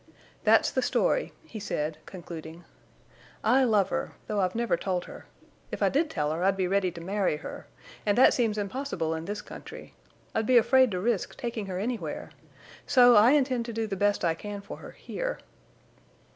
"That's the story," he said, concluding. "I love her, though I've never told her. If I did tell her I'd be ready to marry her, and that seems impossible in this country. I'd be afraid to risk taking her anywhere. So I intend to do the best I can for her here."